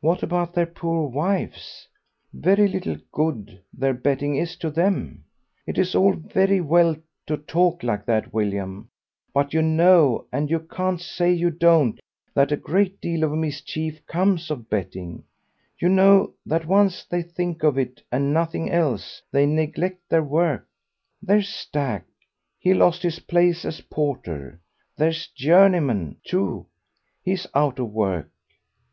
"What about their poor wives? Very little good their betting is to them. It's all very well to talk like that, William, but you know, and you can't say you don't, that a great deal of mischief comes of betting; you know that once they think of it and nothing else, they neglect their work. There's Stack, he's lost his place as porter; there's Journeyman, too, he's out of work."